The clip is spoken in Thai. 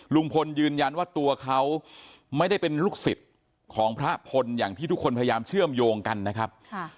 ลุงพลยืนยันว่าตัวเขาไม่ได้เป็นลูกศิษย์ของพระพลอย่างที่ทุกคนพยายามเชื่อมโยงกันนะครับ